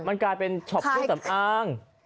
มันกลายเป็นช็อปชุดสำอาง